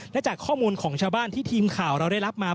และจากข้อมูลของชาวบ้านที่ทีมข่าวเราได้รับมา